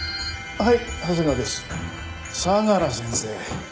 はい。